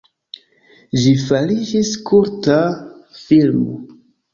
Ĝi fariĝis kulta filmo.